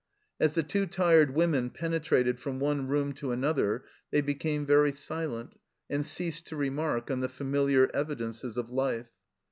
As the two tired women penetrated from one room to another they became very silent, and ceased to remark on the familiar evidences of life.